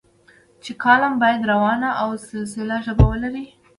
چې کالم باید روانه او سلیسه ژبه ولري.